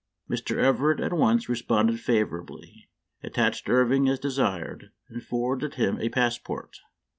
Mr. Everett at once responded favorably, at tached Irving as desired, and forwarded him a passport.